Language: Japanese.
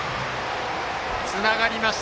つながりました。